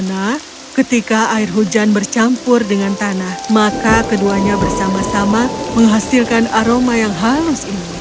karena ketika air hujan bercampur dengan tanah maka keduanya bersama sama menghasilkan aroma yang halus ini